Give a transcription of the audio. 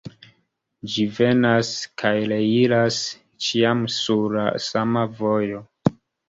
Ĝi venas kaj reiras ĉiam sur la sama vojo.